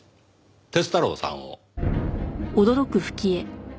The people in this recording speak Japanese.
鐵太郎さんを。